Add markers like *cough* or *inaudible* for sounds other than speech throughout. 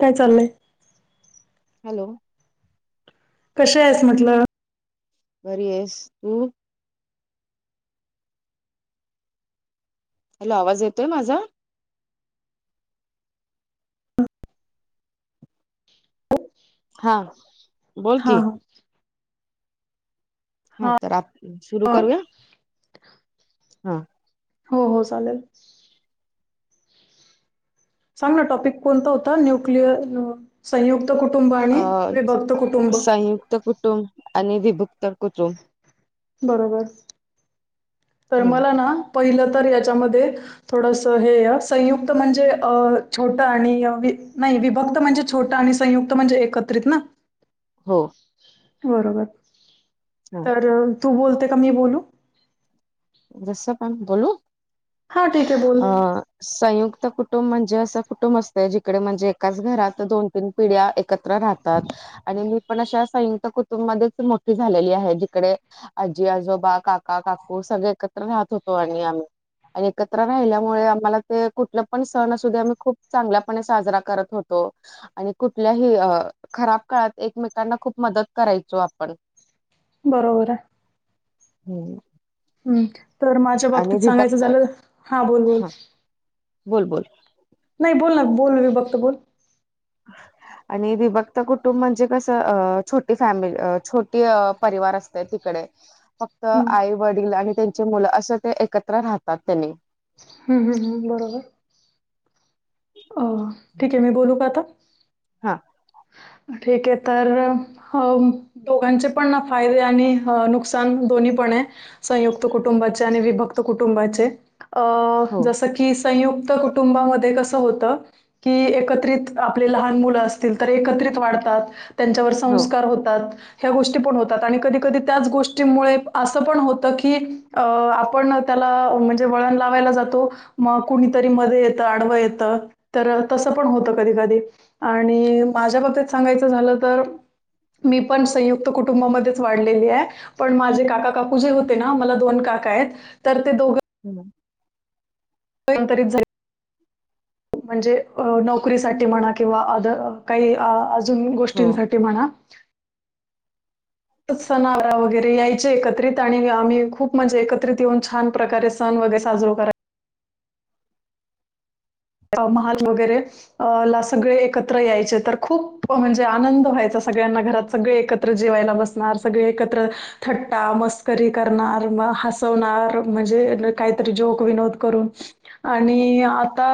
काय चाललंय. हॅलो कसे आहेस म्हटलं बरी आहेस तु हॅलो आवाज येतोय माझा- हा बोल हा कि - हा तर आपन सरू करूया हो हा - हो हो चालेल. सांग ना टॉपिक कोणता होता? न्यू क्लिअर संयुक्त कुठ अ संयुक्त कुटुंब आणि विभुक्त कुटुंब- बरोबर तर मला ना पहिलं तर याच्यामध्ये- थोडस हे संयुक्त म्हणजे छोटं आणि नाही विभक्त म्हणजे छोटा आणि संयुक्त म्हणजे एकत्रित ना- हो बरोबर तर तू बोलते का मी बोलू - कस पण बोलू हा ठीक आहे - बोल संयुक्त कुटुंब म्हणजे असं कुटुंब असतंय जिकडे म्हणजे एकाच घरात दोन तीन पिढ्या एकत्र राहतात. आणि मी पण अशा संयुक्त कुटुंबा मध्येच मोठी झालेली आहे जिकडे- आजी आजोबा, काका काकू, सगळे एकत्र राहत होतो आणि आम्ही आम्ही - आणि एकत्र राहिल्यामुळे आम्हाला ते कुठलं पण सण असू द्या आम्ही खूप चांगल्यापणे साजरा करत होतो. आणि कुठल्याही हा खराब काळात एकमेकांना खूप मदत करायचो आपण- बरोबर आहे. हम हम्म तर माझ्या बाबतीत सांगायचं विभक्त झालं हा बोल बोल बोल बोल नाही बोल ना बोल मी बघत बोल. *inaudible* आणि विभक्त कुटुंब म्हणजे कसं अ छोटी फॅमिली छोटी परिवार असते तिकडे- फक्त हं. आई वडील आणि त्यांचे मुलं असं ते एकत्र राहतात त्यांनी- हम् ह्म ह बरोबर अ ठीक आहे मी बोलू का आता हा. ठीक आहे तर अ दोघांचे पण फायदे आणि नुकसान दोन्ही पण आहे. संयुक्त कुटुंबाचे आणि विभक्त कुटुंबाचे अ हो जस संयुक्त कुटुंबामध्ये कस होत की एकत्र आपले लहान मुलं अस अस तर एकत्रित वाढतात त्यांच्यावर हो संस्कार होतात. ह्या गोष्टी पण होतात आणि कधी कधी त्याच गोष्टीमुळे असं पण होतं की अ आपण त्याला म्हणजे वळण लावायला जातो मग कुणीतरी मध्ये येतं आडवं येतं. तर तसं पण होतं कधी कधी आणि माझ्या बाबतीत सांगायचं झालं तर मी पण संयुक्त कुटुंबामध्येच वाढलेली आहे. पण माझे काका काकु जे होते ना मला दोन काका आहेत तर ते दोघ हम्म. री झा *unintelligible* म्हणजे नोकरीसाठी म्हणा किंवा अ काही अजून हो गोष्टींसाठी. ते म्हणा. सनावरा वगैरे यायचे एकत्रित आणि आम्ही खूप म्हणजे एकत्रित येऊन छान प्रकारे सण वगैरे साजरो करायचे. मल वगैरे अ ला सगळे एकत्र यायचे तर खूप म्हणजे आनंद व्हायचा सगळ्यांना घरात सगळे एकत्र एक्र जेवायला बसणार सगळे एकत्र थट्टा मस्करी करणार म हसवणार म्हणजे काहीतरी जोक विनोद करून आणि आता.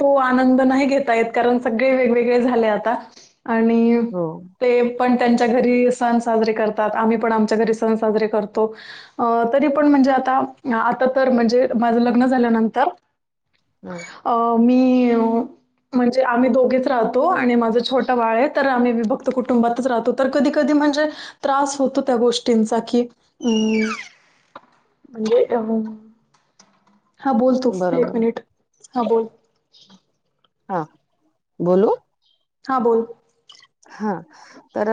तो आनंद नाही घेता येत कारण सगळे वेगवेगळे झाले आता आणि ते पण त्यांच्या घरी सण साजरे करतात आम्ही पण आमच्या घरी सण साजरे करतो. अ तरी पण म्हणजे आता आता तर म्हणजे माझं लग्न झाल्यानंतर. हम्. अ मी. म्हणजे आम्ही दोघेच राहतो आणि माझं छोटा बाळ आहे तर आम्ही वीभक्त कुटुंबातच राहतो. तर कधी कधी म्हणजे त्रास होतो त्या गोष्टींचा की अम- म्हणजे अ हा बोल तू एक बरोबर मिनिट हा बोल हा बोलू. हां बोल. हा तर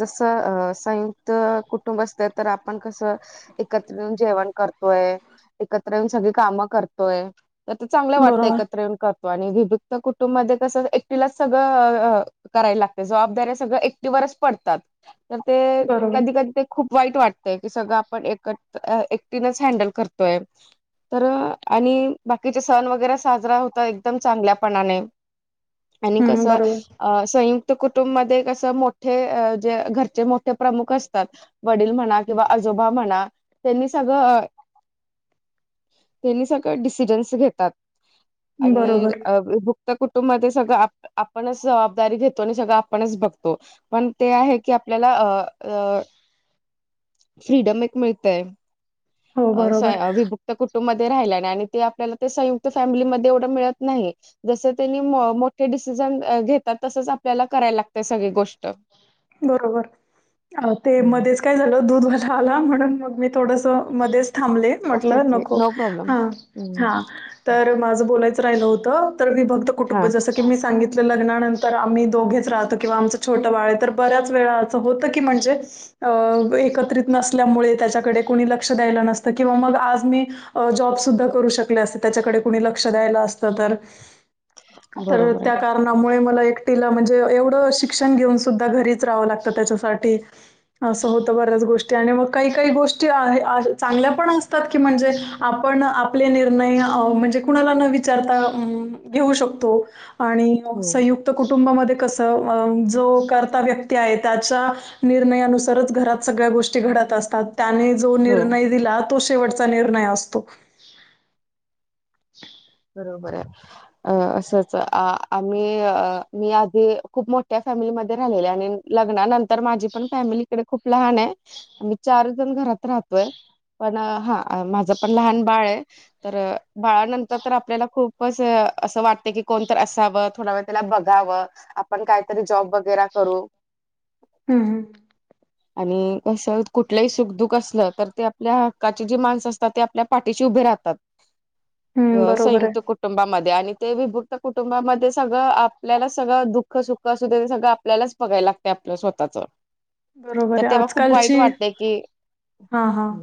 जस संयुक्त कुटुंब असत तर आपण कसं एकत्र येऊन जेवण करतोय एकत्र येऊन सगळी काम करतोय. तर चांगलं वाटतंय बरोबर, का. करतो आणि वित कुटुंब मध्ये कस एकटीलाच सगळं करायला लाग जबाबदारी सगळ एकटीच पडतात तर ते बरोबर. कधी कधी खूप वाईट वाटतय की सगळं आपण एकत एकटीनच हँडल करतोय. तर आणि बाकीचे सण वगैरे साजरा होता एकदम चांगल्यापणाने आणि हं, कसं बरोबर. अ संयुक्त कुटुंब मध्ये असं मोठे जे घरचे मोठे प्रमुख असतात. वडील म्हणा किंवा आजोबा म्हणा त्यांनी सगळं त्यांनी सगळं डिसिजन्स घेतात. बरोबर. आणि भुक्त कुटुंबाात सगळं आपणच जबाबदारी घेत. पण आपणच बघतो पण ते आहे का. आपल्याला अ फ्रीडम एक मिळतय. हो, अस बरोबर. अभ बुक कुटुंबमध्येध्ये राहिल्याने आणि ते आपल्याला ते संयुक्त फॅमिलीमध्ये एवढं मिळत नाही. जस त्यांनी मोठे डिसिजन घेतात तसच आपल्याला करायला लागतय सगळी गोष्ट बरोबर ते हम्म मध्येच काय झाल दूध वाला आला म्हणून मग मी थोडस मध्येच थांबले. ओके म्हटलं ओके नको नो प्रॉब्लेम हा हम्म हा तर माझं बोलायचं राहिलं होतं तर मी फक्त हा कुटुंब जसं ी मी सांगितलं लग्नानंतर आम्ही दोगेच राहतो किंवा आमचं छोट बाळे तर बऱ्याच वेळा असं होतं की म्हणजे अं एकत्रित नसल्यामुळे त्याच्याकडे कोणी लक्ष द्यायला नसतं किंवा मग आज मी. जॉबसुद्धा करू शकले असते त्याच्याकडे कुणी लक्ष द्यायला असतं तर, तर बरोबर त्या आहे कारणामुळे मला एकटीला म्हणजे एवढं शिक्षण घेऊन सुद्धा घरीच राहावं लागतं त्याच्यासाठी असं होतं बऱ्याच गोष्टी आणि मग काही काही गोष्टी आहे चांगल्या पण असतात की म्हणजे आपण आपले निर्णय म्हणजे कुणाला न विचारता घेऊ शकतो. आणि हो संयुक्त कुटुंबामध्ये कसं जो व्यक्ती आहे त्याच्या निर्णयानुसारच घरात सगळ्या गोष्टी घडत असतात त्याने जो हो निर्णय दिला तो शेवटचा निर्णय असतो. बरोबर आहे. अ असंच आम्ही मी आधी खूप मोठ्या फॅमिलीमध्ये राहिलेल्या आणि लग्नानंतर माझी पण फॅमिलीकडे खूप लहान आहे आंम्ही चार जण घरात राहतोय. पण हा माझं पण लहान बाळ आहे तर बाळानंतर तर आपल्याला खूपच असं वाटत की कोणत असावं थोडा वेळ त्याला बघावं. आपण काहीतरी जॉब वगैेरें करू हम्म हम आणि कंस कुठलंही सुखदुख असलं तर ते आपल्या हक्काचे जे माणस असतात ते आपल्या पाठीशी उभे राहतात. हं, बरोबर आहे. संयुक्त कुटुंब कुटुंबामध्ये आणि ते विभुक्त कुटुंबामध्ये सगळं आपल्याला सगळं दुःख सुख असु दे ते सगळं आपल्यालाच बघायला लागत आपलं स्वतःच तर बरोबर आहे तेव्हा खूप वाईट आजकालची वाटतय की हा हा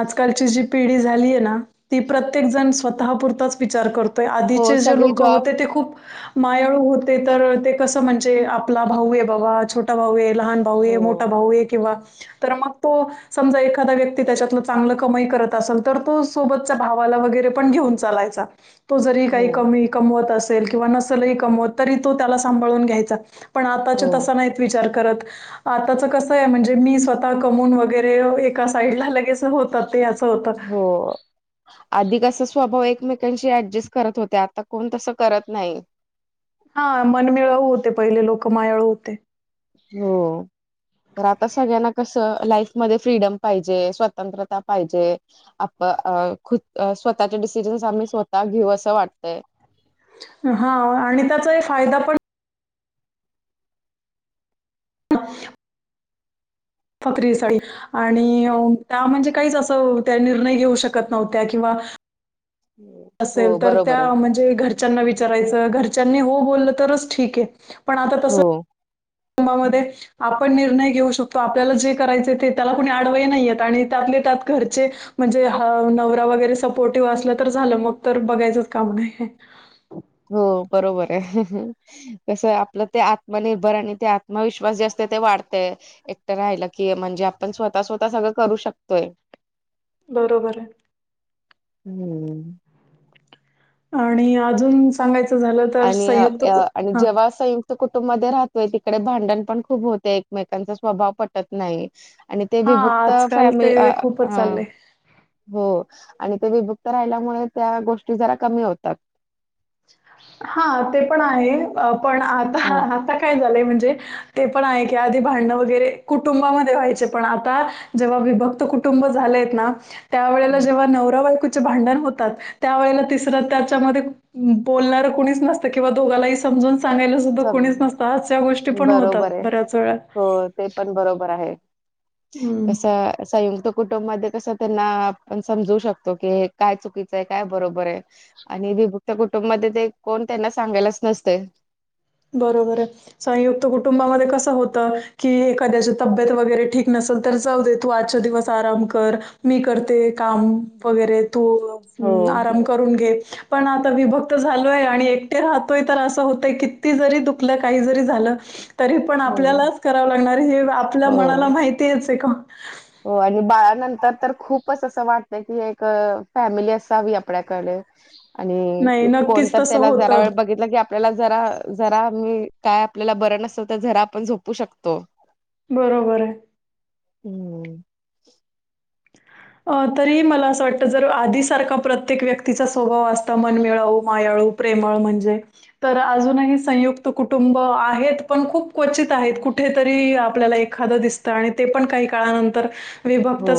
आजकालची जी पिढी झालीय ना ती प्रत्येक जण स्वतःपुरताच विचार करतो. हो आधीचे जे सगळे लोक जॉब होते ते खूप मायाळू होते तर ते कसं म्हणजे आपला भाऊ आहे बाबा छोटा भाऊ आहे. लहान भाऊ आहे, हो मोठा भाऊ आहे, किंवा तर मग तो समजा एखादा व्यक्ती त्याच्यातलं चांगलं कमाई करत असेल तर तो सोबतच्या भावाला वगैरे पण घेऊन चालायच. *inaudible* तो जरी हो काही कमी कमवत असेल किंवा नसेलही कमवत तरी तो त्याला सांभाळून घ्यायचा. पण आताच्या हो तसां नाहीत विचार करत. आताच कस आहे म्हणजे मी स्वतः कमून वगैरे एका साईडला लगेच होतात ते होतं. हो आधी कस अस स्वभाव एकमेकांशी ऍडजस्ट करत होते आता कोण तसं करत नाही. हा मनमिळवू होते पहिले लोक मायाळ होते. हो. तर आता सगळ्यांना कसं लाईफ मध्ये फ्रीडम पाहिजे स्वतंत्रता पाहिजे. आप खु स्वतःच्या डिसिजन्स आम्ही स्वतः घेऊ असं वाटतंय. हा आणि त्याचा फायदा पण ह फकरी साडी *inaudible* आणि त्या म्हणजे काहीच असं त्या निर्णय घेऊ शकत नव्हत्या किंवा हो असेल तर बरोबर आहे. त्या म्हणजे घ ब हो तुमध्येध्ये आपण निर्णय घेऊ शकतो आपल्याला जे करायचे ते त्याला कोणी आडवई नाहीय आणि त्यातले त्यात घरचे म्हणजे ह नवरा वगैरे सपोर्टिव्ह असला तर झालं मग तर बघायचंच काम नाही हे हो बरोबर आहे कस आपलं ते आत्मनिर्भर आणि ते आत्मविश्वास जे असते ते वाढते एकटं राहिलं की म्हणजे आपण स्वतः स्वतः सगळं करू शकतोय बरोबर आहे हम्म आणि अजून सांगायचं झालं तर आणि संयुक्त कु आणि हां. जेव्हा स कुटुं मध्ये राहतोय तिकडे भांडण पण खूप होत एकमेकांचा स्वाव प नाही आणि ते हां, विभुक्त आजकाल फॅम ते खूपच चाललंय. हो आणि ते विभुक्त राहिल्यामुळे त्या गोष्टी जरा कमी होतात हा ते पण आहे पण आता हं आता काय झालंय म्हणजे ते पण आहे की आधी भांडणं वगैरे कुटुंबामध्ये व्हायचे पण आता जेव्हा विीभक्त कु कुटुंब झालंय आहेत ना त्यावेेळेला हं जेव्हा नवरा बायकूचे भांडण होतात त्यावेेळेला तिसर त्याच्यामध्ये बोलणार क कोणीच नतं किंवा दोघालाही समजून सांगायच कोणीच सगळं नसता अशा गोष्टी पण होतात बरोबर आहे. बऱ्याच वेळ हो ते पण बरोबर आहे हं. कस अस ये तो कुटुंब मध्ये कसं त्यांना आपण समजू शकतो की काय चुकीचंय काय बरोबर आहे आणि भभूकच्या कुटुंबमध्ये ते कोण त्यांना सांगायलाच नसते बरोबर आहे संयुक्त कुटुंबामध्ये कसं होतं कीखद्याची तब्येत वगैरे ठीक नसेल तर जाऊ दे तू आजच्या दिवस आराम कर मी करते काम वगैरे तू हो हम् आराम करून घे पण आता विभक्त झालोय आणि एकटे राहतोय तर असं होतय की त जरी दुखलं काही जरी झालं तरी पण हो आपल्यालाच करावं लागणार हे आपल्या मनाला हो माहिती तेचेे का हो आणि बाळनंतर तर खूपच असं वाटत की एक फॅमिली असावी आपल्याकडे आणि नाही, नक्कीच कोणत तसं त्याला जरा होतं. वेळ बघित की आप आपल्याला जरा जरा काय आपल्याला बरं नसतल तर जरा आपण झोपू शकतो बरोबर आहे हम्म *unintelligible* अ तरी मला असं वाटतं जर आधीसारखा प्रत्येक व्यक्तीचा स्वभाव असता मनमिळावू मायाळू प्रेमळ म्हणजे तर अजूनही संयुक्त कुटुंब आहेत पण खूप क्वचित आहेत कुठेतरी आपल्याला एक दितण काही का हो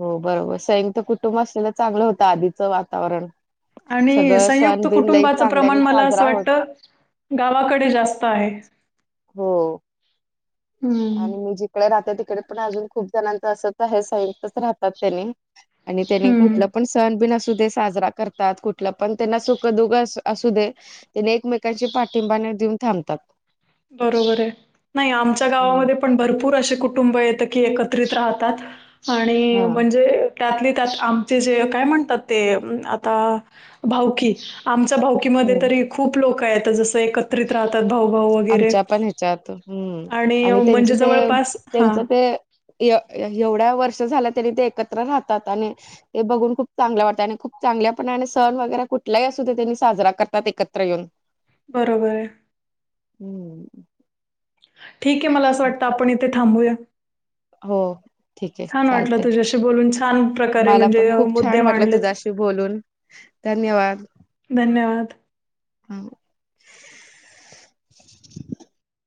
हो बरोबर सयुक्त कुटुंब असलेलं चांगलं होतं आधीचं वातावरण आणि सगळं सण संयुक्त बिन लई कुटुंबाचं चांगल्याने प्रमाण मला असं साजरा होत वाटतं गावाकडे जास्त आहे हो हं, आणि मी जिकडे राहते तिकडे पण अजून खूप जणांच असं आहे संयुक्तच राहतात त्यानी आणि त्याने हं. कुठलं पण सण बिन असू दे साजरा करतात कुठलं पण त्यांना सुख दुख असू दे त्यांनी एकमेकांचे पाठिंबाने देऊन थांबतात बरोबर आहे नाही आमच्या हम्म. गावामध्ये पण भरपूर असे कुटुंब येत की एकत्रित राहतात आणि हा म्हणजे त्यात ली त्यात आमचे जे काय म्हणतात ते आता भाऊकी आमच भाऊकी मध्ये हम्म. तरी खूप लोक आहेत जस एकत्रित राहतात भाऊ भाऊ व आमच्या पण ह्याच्यात हम आणि अं, त्यांची म्हणजे ते जवळपास त्यांच हां, ते एव - एवढ्या वर्ष झाल्या तरी ते एकत्र राहतात आणि ते बघून खूप चांगलं वाटतं आणि खूप चांगल्यापणाने सण वगैरे कुठलाही असू दे ते त्यांनी साजरा करतात एकत्र येऊन बरोबर आहे हम्म ठीक आहे मला असं वाटतं आपण इथे थांबूया हो ठीक आहे छान वाटलं चालतय तुझ्याशी बोलून छान प्रकारे मला म्हणजे पण अ, खूप मुद्दे छान वाटलं मांडलेत. तुझ्याशी बोलून धन्यवाद धन्यवाद हम